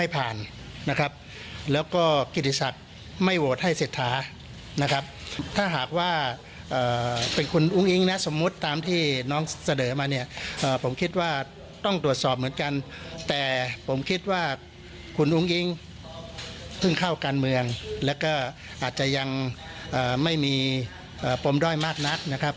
ผมคิดว่าคุณอุ้งอิงเพิ่งเข้ากันเมืองและก็อาจจะยังไม่มีปลมด้อยมากนัดนะครับ